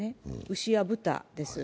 牛や豚です。